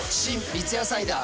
三ツ矢サイダー』